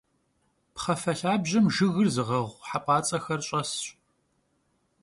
Pxhafe lhabjem jjıgır zığeğu hep'ats'exer ş'esş.